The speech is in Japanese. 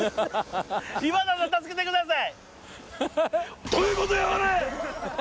今田さん助けてください。